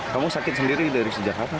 kamu sakit sendiri dari sejak kapan